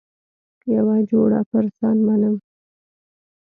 یوه جوړه پر ځان منم.